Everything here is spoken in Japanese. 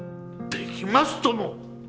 できますとも！